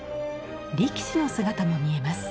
力士の姿も見えます。